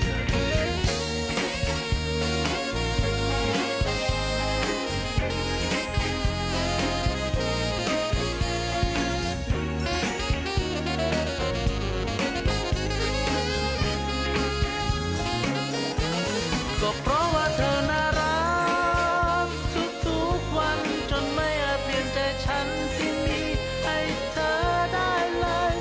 ก็เพราะว่าเธอน่ารักทุกวันจนไม่อาจเปลี่ยนใจฉันที่มีให้เธอได้เลย